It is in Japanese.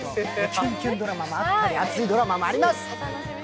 キュンキュンドラマもあったり、熱いドラマもあります。